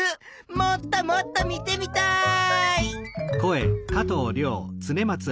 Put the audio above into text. もっともっと見てみたい！